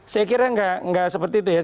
saya kira nggak seperti itu ya